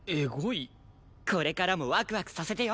これからもワクワクさせてよ